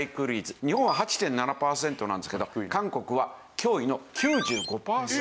日本は８．７パーセントなんですけど韓国は驚異の９５パーセント。